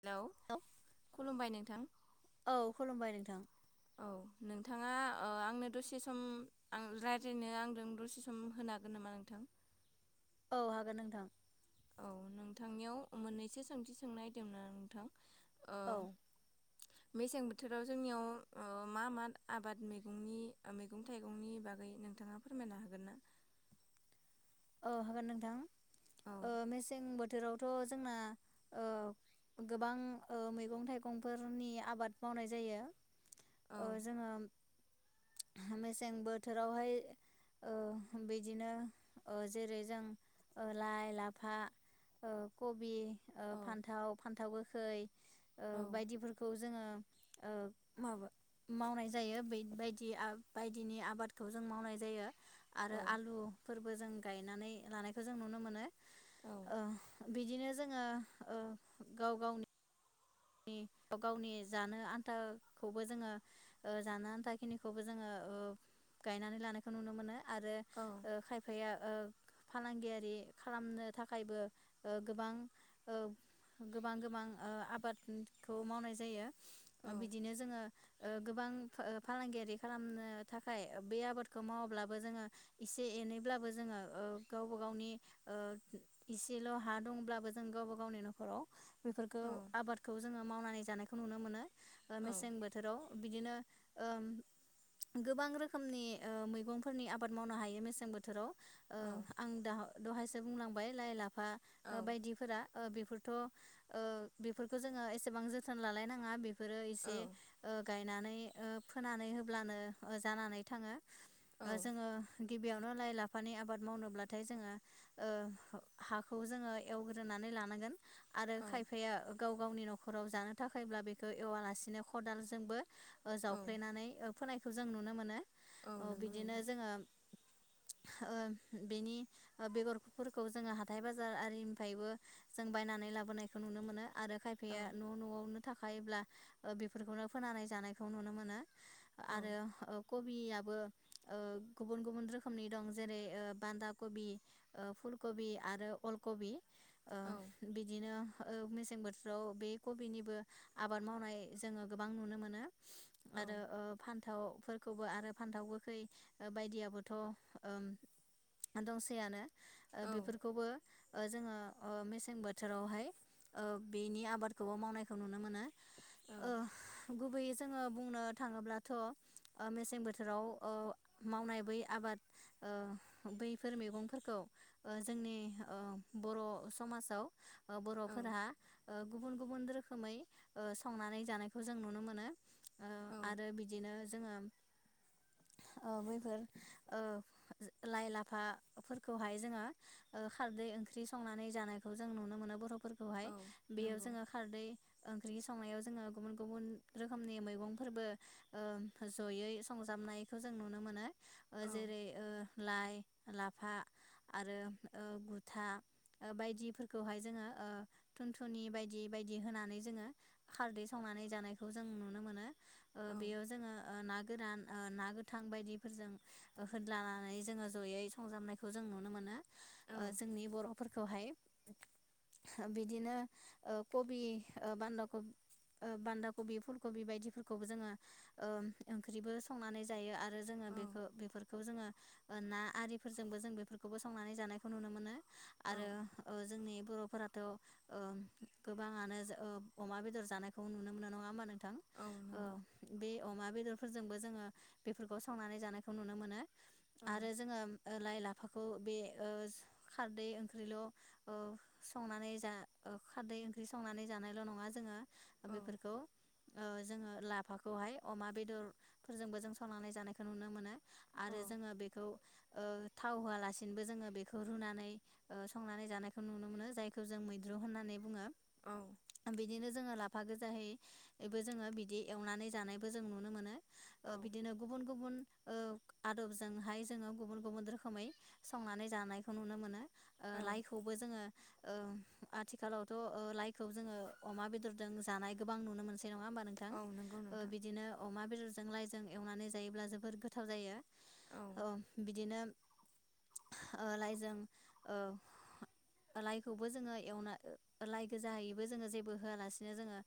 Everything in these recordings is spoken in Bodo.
हेलौ औ खुलुमबाय नोंथां औ खुलुमबाय नोंथां औ। नोंथाङा ओ आंनो दसे सम आं रायज्लायनो आंजों दसे सम होनो हागोन नामा नोंथां? औ हागोन नोंथां। औ नोंथांनियाव मोननैसो सोंथि सोंनो नायदोमोन‌ आं नोंथां। औ ओ। मेसें बोथोराव जोंनियाव ओ मा मा आबाद मैगंनि मैगं थाइगंनि बागै नोंथाङा फोरमायनो हागोन ना? औ हागोन नोंथां। औ ओ मेसें बो। थोरावथ' जोंना गोबां मैगं थाइगंफोरनि आबाद मावनाय जायो। औ ओ जोङो। मेसें बोथोरावहाय ओ बिदिनो। ओ जेरै जों लाइ लाफा कबि। औ ओक्षफान्थाव फान्थाव गो। खै। ओ औ बायदिफोरखौ जोङो ओ माबा मावनाय जायो बै बायदि बायदिनि आबादखौ जों मावनाय जायो। आरो औ आलुफोरबो। बोजों गायनानै लानायखौ जों नुनो मोनो औ ओं बिदिनो जोङो ओ गाव गावनि नि अ गावनि जानो आन्थाखौबो जोङो ओ जानो आन्था खिनिखौबो जोङो गायनानै लानायखौ नुनो मोनो आरो औ ओ खायफाया ओ फालांगियारि खालामनो थाखायबो ओ गोबां ओ गोबां गोबां ओ आबाद। खौ मावनाय जायो औ बिदिनो जोङो। ओ गोबां फालांगियारि खालामनो थाखाय बे आबादखौ मावाब्लाबो जोङो एसे एनैब्लाबो जोङो ओ गावबा गावनि एसेल' ओ हा दंब्लाबो जों गावबा गावनि न'खराव बेफोरखौ औ आबाद। खौ जोङो मावनानै जानायखौ नुनो मोनो। ओ औ मेसें बोथोराव। बिदिनो ओ गोबां रोखोमनि ओ मैगंफोरनि आबाद मावनो हायो मेसें बोथोराव ओ औ आं दा दहायसो बुंलांबाय लाइ लाफ फा औ बायदिफोरा ओ बेफोर थ ओ बेफोरखो खो जोङो एसेबां जोथोन लालायनाङा बे बेफोरो एसे ओ गायनानै ओ फोनानै होब्लानो ओ जानानै थाङो। औ जोङो गिबियावनो लाइ लाफ फानि आबाद मावनोब्लाथाय जोङो ओ हाखौ जोङो एवग्रोनानै लानांगोन। आरो औ खायफाया। गाव गावनि न'खराव जानो थाखायब्ला बेखौ एवालासिनो खदालजोंबो ओ औ जावफ्लेनानै ओ फोनायखौ जों नुनो मोनो। औ नंगौ बिदिनो नोंथां जोङो। ओ बेनि ओ बेगरफोरखौ जोङो हाथाय बाजार आरिनिफायबो जों बायनानै लाबोनायखौ नुनो मोनो। आरो औ खायफाया न' न'आवनो थाखायोब्ला ओ बेफोरखौनो फोनानै जानायखौ नुनो मोनो। औ आरो ओ कबिआ बो ओ गुबुन गुबुन रोखोमनि दं जेरै ओ बान्दा कबि ओ फुलकबि आरो अलकबि। ओ औ बिदिनो ओ मेसें बो थोराव बे कबिनिबो आबाद मावनाय जोङो गोबां नुनो मोनो। औ आरो ओ फान्थावफोर खौबो आरो फान्थाव गोखै ओ बायदियाबोथ' ओ दंसैयानो। ओ औ बेफोरखौबो ओ जोङो ओ मेसें बोथोरावहाय ओ बेनि आबादखौबो मावनायखौ नुनो मोनो। औ ओ गुबैयै जोङो बुंनो थाङोब्लाथ' ओ मेसें बोथोराव ओ मावनाय बै आबाद ओ बैफोर मैगंफोरखौ ओ जोंनि ओ बर' समाजाव ओ औ बर'फोरहा ओ गुबुन गुबुन रोखोमै ओ संनानै जानायखौ जों नुनो मोनो। ओ औ आरो बिदिनो जोङो ओ बैफोर ओ लाइ-लाफाफोरखौहाय जोङो ओ खारदै ओंख्रि संनानै जानायखौ जों नुनो मोनो बर'फोरखौ। औ बेयाव नंगौ जोङो खारदै ओं ओंख्रि संनायाव जोङो गुबुन गुबुन रोखोमनि मैगंफोरबो ओ जयै संजाबनायखौ जों नुनो मोनो। ओ औ जेरै ओ लाय लाफा आरो ओ बुथुवा बायदिफोरखौहाय जोङो ओ थुनथुनि बायदि बायदि होनानै जोङो खारदै सावनानै जानायखौ जों नुनो मोनो। ओ औ बेयाव जोङो ओ ना गोरान ओ ना गोथां बायदिफोरजों होन्लानानै जोङो जयै संजाबनायखौ जों नुनो मोनो। औ ओ जोंनि बर'फोर खौहाय बिदिनो ओ कबि ओ बान्दा बान्दा कबि फुलकबि बायदिफोरखौबो जोङो ओंख्रिबो संनानै जायो आरो जोङो बेखौ बेफोरखौ जोङो ओ ना आरिफोरजोंबो जों बेफोरखौबो संनानै जानायखौ नुनो मोनो। औ आरो ओ जोंनि बर' थ' ओ गोबाङानो ओ अमा बेदर जानायखौ नुनो मोनो नङा होमबा नों थां औ ओ नंगौ बे अमा बेदरफोरजोंबो जोङो बेफोरखौ संनानै जानायखौ नुनो मोनो। औ आरो जोङो ओ लाय लाफ खौ बे ओस खारदै ओंख्रिल' ओ संनानै जा ओ खारदै ओंख्रि संनानै जानायल' नङा जोङो औ बेफोरखौ ओ जोङो लाफाखौहाय अमा बेदर फोरजोंबो जों संनानै जानायखौ नुनो मोनो। आरो जोङो बेखौ। ओ थाव होआलासिनोबो जोङो बेखौ रुनानै संनानै जानायखौ नुनो मोनो जाय खौ जों मैद्रु होननानै बुङो। बिदिनो जोङो ला फा गोजायैबो जोङो बिदि एवनानै जानायबो जों नुनो मोनो। औ ओ बिदिनो गुबुन गुबुन। ओ आदबजोंहाय जोङो गुबुन गुबुन रोखोमै संनानै जानायखौ नुनो मोनो। औ ओ लाइखौबो जोङो। ओ आथिखालावथ' ओ लाइखौ जोङो अमा बेदरजों जानाय गोबां नुनो मोनसै। नङा होमबा नोंथां औ नंगौ ओ नोंथां बिदिनो अमा बेदर जों लाइजों एवनानै जायोब्ला जोबोर गोथाव जायो। औ ओ बिदिनो ओ लाइजों ओ लाइ खौबो जोङो एवना लाइ गोजाहायैबो जोङो जेबो होआलासिनो जोङो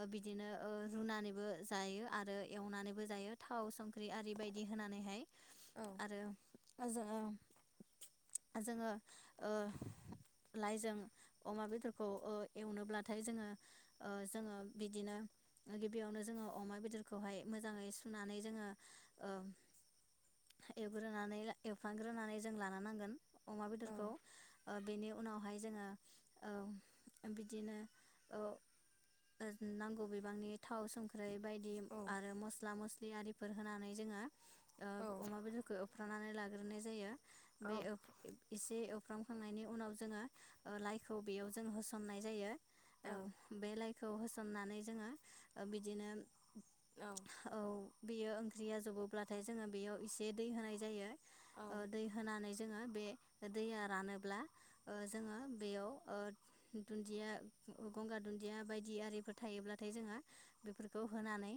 ओ बिदिनो ओ रुनानैबो जायो आरो एवनानैबो जायो थाव संख्रि आरि बायदि होनानैहाय। औ आरो। लाइजों औ जोङो ओ। लाइजों अमा बेदरखौ ओ एवनोब्लाथाय जोङो ओ जोङो बिदिनो गिबियावनो जोङो अमा बेदरखौहाय मोजाङै सुनानै जोङो ओ एवग्रोनानै एवफामग्रोनानै जों लानो नांगोन। अमा औ बेदरखौ ओ बेनि उनावहाय जोङो ओ बिदिनो नांगौ अ ओ नांगौ बिबांनि थाव सं ख्रै बायदि औ आरो मस्ला-मस्लि आरि फोर होनानै जोङो। ओ औ अमा बेदरखौ एवफ्रानानै ला गोरनाय जायो। बे ओ इसे एव फ्रामखांनायनि उनाव जोङो ओ लाइखौ बेयाव जों होसननाय जायो। औ ओ बे लाइ खौ होसननानै जोङो ओ बिदिनो। औ। बेयो ओंख्रिया जबोब्लाथाय जोङो बेयाव एसे दै होनाय जायो। ओ दै होनानै जोङो बे दैया रानोब्ला ओ जोङो बेयाव ओ दुन्दिया गंगार दुन्दिया बायदि आरिफोर थायोब्लाथाय जोङो बेफोरखौ होनानै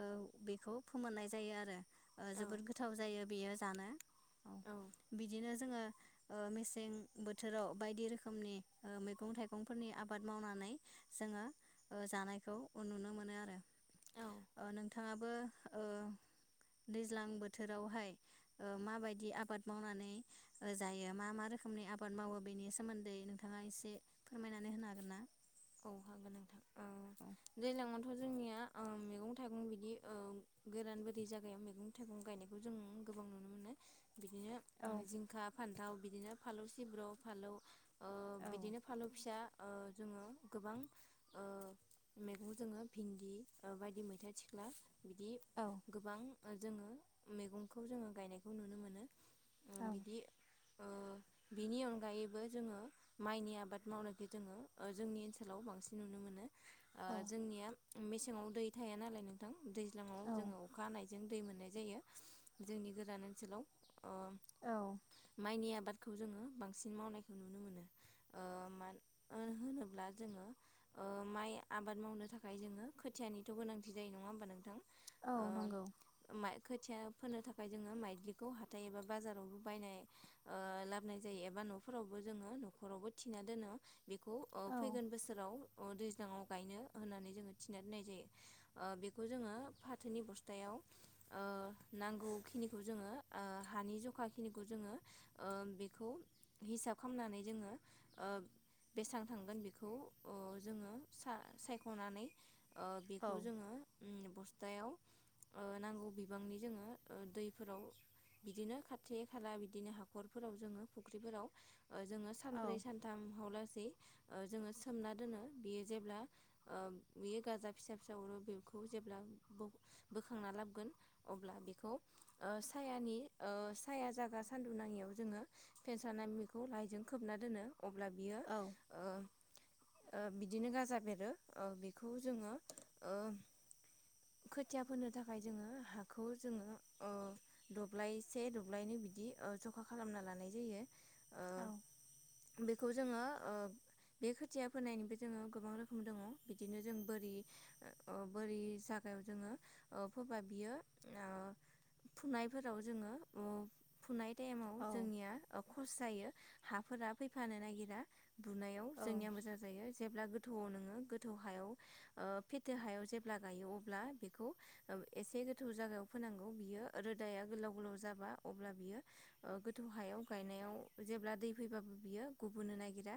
ओ बेखौ फोमोननाय जायो आरो। ओ जोबोद गोथाव जायो बेयो जानो औ बिदिनो जोङो ओ मेसें बो थोराव बायदि रोखोमनि ओ मैगं थाइगंफोरनि आबाद मावनानै जोङो ओ जानायखौ नुनो मोनो आरो। औ ओ नोंथाङा बो ओ दैज्लां बोथोरावहाय ओ माबायदि आबाद मावनानै जायो मा मा रोखोमनि आबा बाद मावो बेनि सोमोन्दै नोंथाङा एसे फोरमायनानै होनो हागोन ना? औ हागोन नोंथां। औ दैज्लांआव थ' जोंनिया ओ मैगं थाइगं बिदि ओं गोरान बोरि जागायाव मैगं थाइगं गायनायखौ जों गोबां नुनो मोनो। बिदिनो औ ओम जिंखा फान्थाव बिदिनो फालौ सिब्रु फालौ ओ औ बिदिनो फालु फिसा ओ जोङो गोबां ओ मैगं जोङो भिन्दि बायदि मैथा सिख्ला बिदि औ गोबां जोङो मैगंखौ जोङो गायनायखौ नुनो मोनो। ओ औ बिदि ओ बिनि अनगायैबो जोङो माइनि आबाद मावनायखौ जोङो ओ जोंनि ओनसो लाव बांसिन नुनो मोनो। ओ जोंनिया मेसेंआव दै थाया नालाय नोंथां दैज्लाङाव औ जोङो अखाहानाय जों दै मोननाय जायो जोंनि गोदान ओनसोलाव अ औ माइनि आबाद खौ जोङो बांसिन मावनायखौ नुनो मोनो ओ मा होनोब्ला जोङो ओ माइ आबाद मावनो थाखाय जोङो खोथियानिथ' गोनांथि जायो नङा होमबा नोंथां औ ओ नंगौ मा खोथिया फोनो थाखाय जोङो माइद्लिखौ हाथाय एबा बाजारावबो बायनाय ओ लाबोन जायो एबा न'फोरावबो जोङो न'खरावबो थिना दोनो बेखौ ओ औ अ दैज्लाङाव गायनो होननानै जोङो थिनानै दोननाय जायो ओ बेखौ जोङो फाथोनि बस्थायाव ओ नांगौखिनिखौ जोङो ओ हानि जखा खिनिखौ जोङो ओ बेखौ हिसाब खालामनानै जोङो ओ बेसां थांगोन बे खौ ओ जोङो सा-सायख'नानै ओ औ बेखौ जोंङो उम। बस्थायाव ओ नांगौ बिबांनि जोङो दैफोराव बिदिनो खाथि खाला बिदिनो हाखरफोराव जोङो फुख्रिफोराव ओ जोङो औ सानब्रै सानथाम हला सै ओ जोङो ओ सोमना दोनो बियो जेब्ला ओ बियो गाजा फिसा फिसा अरो बेखौ जेब्ला बो-बोखांना लाबोगोन अब्ला बेखौ ओ सायानि ओ साया जागा सान्दुं नाङियाव जोङो फेनस्राना बेखौ लाइजों खोबना दोनो। अब्ला बियो औ ओ ओ बिदिनो गाजा बेरो ओ बेखौ जोंङो ओ खोथिया फोनो थाखाय जोंङो हाखौ जोंङो ओ दब्लायसे दब्लायनै बिदि ओ जखा खालामना लानाय जायो। औ। बेखौ जोंङो ओ बे खोथिया फोनायनिबो जोंङो गोबां रोखोम दंङ बिदिनो जों बोरि ओ बोरि साख याव जोंङो ओ फोबा बियो ओ फुनाय फोराव जोंङो ओ फुनाय टाइमाव जोंनिया ओ कस जायो हाफोरा फैफानो नागिरा। बुनायाव जोंनिया मोजां जायो जेब्ला गो गोथौ नोंङो गोथौ हायाव ओ फेथे हायाव जेब्ला गायो अ ब्ला बेखौ ओ एसे गोथौ जागायाव फोनांगौ बियो रोदाया गोलाव गोलाव जाबा अब्ला बियो ओ गोथौ हायाव गायनायाव जेब्ला दै फैबाबो बियो गुबुननो नागिरा।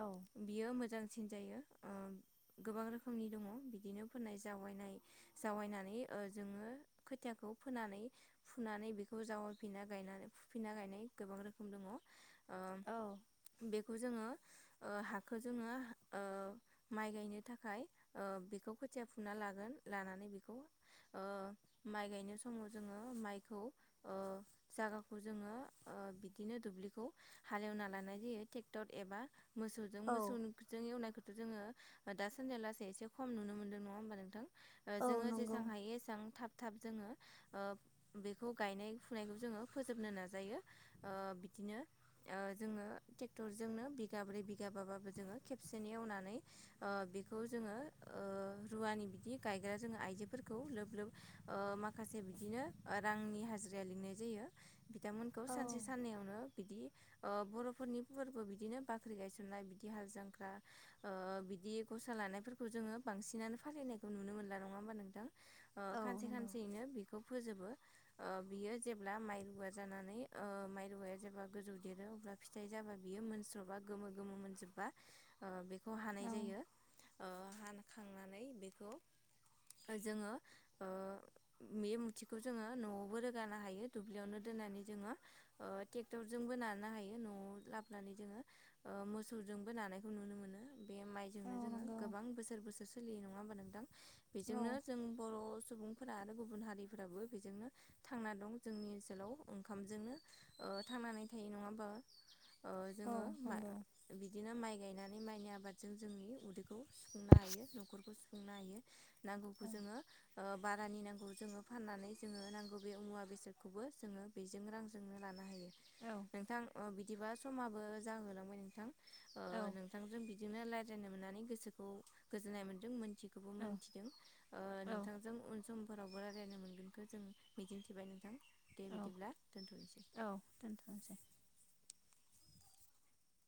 औ बियो मोजां सिन जायो ओ गोबां रोखोमनि दंङ बिदिनो फोनाय जावायनाय जावनानै ओ जोंङो खोथियाखौ फोनानै फुनानै बेखौ जावायफिनना गायना फुफिनना गायनाय गोबां रोखोम दंङ। ओ बेखौ जोंङो ओ हाखौ जोंङो ओ माइ गायनो थाखाय ओ बेखौ खोथिया फुना लागोन लानानै बेखौ ओ माइ गायनो समाव जोंङो माइखौ ओ जागाखौ जोंङो ओ बिदिनो दुब्लिखौ हालेवना लानाय जायो ट्रेक्टर एबा मोसौजों औ मोसौजों एवनायखौ जोंङो दा सान्दै लासै एसे खम नुनो मोनदों नंङा होमबा नोंथां? ओ औ जोंङो नंगौ जेसां हायो एसां थाब थाब जोंङो ओ बेखौ गायनाय फुनायखौ जोंङो फोजोबनो नाजायो ओ बिदिनो ओ जोंङो ट्रेक्टरजोंनो बिगाब्रै बिगाबाबाबो जोंङो खेबसेनि एवनानै ओ बेखौ जोंङो ओ रुवानि बिदि गायग्रा जोंङो आइजोफोरखौ लोब लोब माखासे बिदिनो रांनि हाजिराया लिंनाय जायो। बिथांमोनखौ औ सानसे साननैयावनो बिदि ओ बर'फोरनि फोरबो बिदिनो बाख्रि गायसननाय बिदि हाल जांख्रा ओ बिदि गसा लानायफोरखौ जोंङो बांसिनानो फालिनायखौ नुनो मोनला नङा होमबा नोंथां? ओ औ खानसे नंगौ खानसेयैनो बेखौ फोजोबो। ओ बियो जेब्ला माइ रुवा जानानै ओ माइ रुवाया जेब्ला गोजौ देरो अब्ला फिथाइ जाबा बियो मोनस्र'बा गोमो गोमो मोनजोब्बा ओ बे खौ हानाय औ जायो। ओ हानखांनानै बेखौ जोंङो ओ बेयो मुथिखौ जोंङो न'आवबो रोगानो हायो दुब्लियावनो दोननानै जोंङो ओ ट्रेक्टरजोंबो नानो हायो न'आव लाबोनानै जोंङो ओ मोसौजोंबो नानायखौ नुनो मोनो। बे औ माइजोंनो जोंङो नंगौ गोबां बोसोर बोसोर सोलियो नङा होनबा नोंथां। बेजोंनो जों बर' सुबुंफोरा आरो गुबुन हारिफोराबो बेजोंनो थांना दं जोंनि ओनसोलाव ओंखामजोंनो ओ थांनानै थायो नङा होमबा? ओ औ जोंङो नंगौ औ बिदिनो माइ गायनानै माइनि आबादजों जोंनि उदैखौ सुफुंनो हायो न'खरखौ खुंनो हायो। नांगौखौ जोङो। ओ बारानि नांगौ जोङो फाननानै जोङो नांगौ बे मुवा बेसादखौबो जोङो बेजों रांजोंनो लानो हायो। नोंथां ओ बि बिदिबा समाबो जाहोलांबाय नोंथां। ओ औ नोंथांजों बिदिनो लाय जेननो मोननानै गोसोखौ गोजोननाय मोन्दों मोन थियै खौबो औ मोनथिदों ओ औ नोंथांजों उन समफोरावबो रा लायनो मोनगोनखौ जों मिजिंथिबाय नोंथां। दे औ बिदिब्ला दोनथ'नोसै। औ दोनथ'नोसै